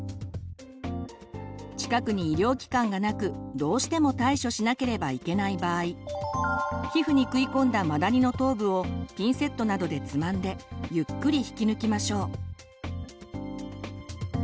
近くに医療機関がなくどうしても対処しなければいけない場合皮膚に食い込んだマダニの頭部をピンセットなどでつまんでゆっくり引き抜きましょう。